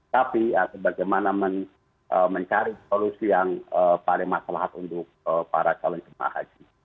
tapi sebagaimana mencari solusi yang paling masalah untuk para calon jemaah haji